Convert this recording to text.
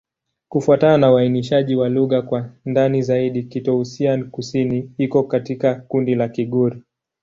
Kufuatana na uainishaji wa lugha kwa ndani zaidi, Kitoussian-Kusini iko katika kundi la Kigur.